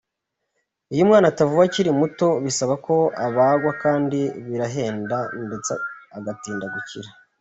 Iyo umwana atavuwe akiri muto bisaba ko abagwa kandi birahenda ndetse agatinda gukira.